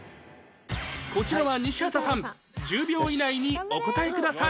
こちらは西畑さん１０秒以内にお答えください